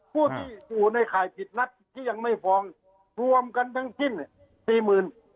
ผู้ที่อยู่ในข่ายผิดนัดที่ยังไม่ฟ้องรวมกันทั้งสิ้นเนี่ยสี่หมื่น